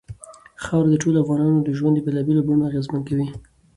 خاوره د ټولو افغانانو ژوند په بېلابېلو بڼو اغېزمن کوي.